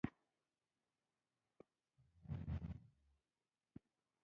نیکیتیا خروچوف ډیپلوماتانو ته وویل چې موږ به تاسې تر خاورو لاندې کړو